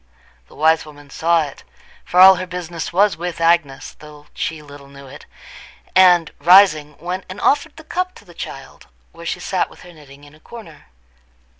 The wise woman saw it, for all her business was with Agnes though she little knew it, and, rising, went and offered the cup to the child, where she sat with her knitting in a corner.